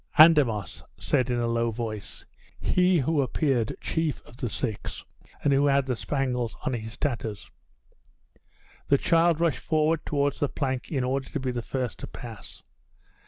"Andamos," said, in a low voice, he who appeared chief of the six, and who had the spangles on his tatters. The child rushed towards the plank in order to be the first to pass.